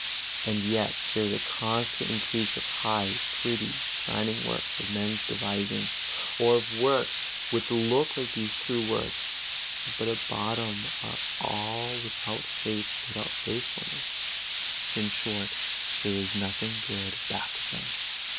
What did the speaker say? And yet there is a constant increase of high, pretty, shining works of men's devising, or of works which look like these true works, but at bottom are all without faith and without faithfulness; in short, there is nothing good back of them.